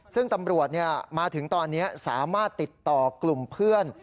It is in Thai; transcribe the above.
ซึ่งตำรวจมาถึงตอนนี้สามารถติดต่อกลุ่มเพื่อน